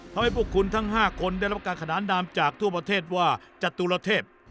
ทำให้ผู้คุณทั้งห้าคนได้รับการฆะดานดามจากทั่วประเทศว่าจตุลเทพ